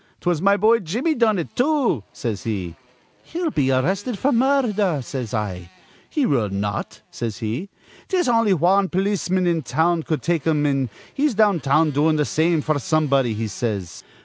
'Twas my boy Jimmy done it, too,' says he. 'He'll be arrested f'r murdher,' says I. 'He will not,' says he. 'There's on'y wan polisman in town cud take him, an' he's down town doin' th' same f'r somebody,' he says.